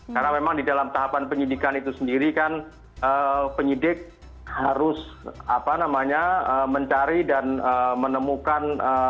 karena memang di dalam tahapan penyidikan itu sendiri kan penyidik harus mencari dan menemukan